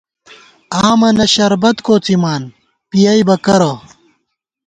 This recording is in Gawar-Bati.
آمَنہ شربت کوڅِیمان، پِیَئیبہ کرہ